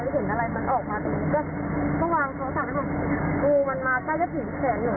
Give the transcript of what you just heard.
ดูแบบนี้ก็โดดไปด้านฝั่งนั้นน้องก็แบบคูลคอมาแบบเหมือนครับ